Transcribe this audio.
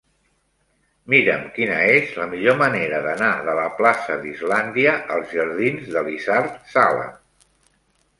Mira'm quina és la millor manera d'anar de la plaça d'Islàndia als jardins d'Elisard Sala.